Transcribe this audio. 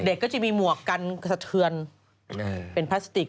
เด็กก็จะมีหมวกกันเสื้อนเป็นพลาสติก